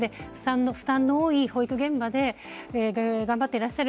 負担の多い保育現場で頑張っていらっしゃる